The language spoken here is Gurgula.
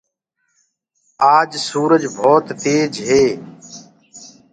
آج سُورج ڀوت تيج هي۔